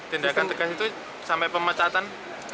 tindakan tegas itu sampai pemecatan